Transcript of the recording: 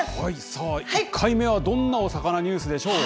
さあ、１回目はどんなおさかなニュースでしょうか。